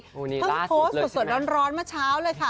เพิ่งโพสต์สดร้อนเมื่อเช้าเลยค่ะ